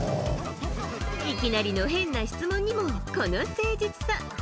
いきなりの変な質問にも、この誠実さ。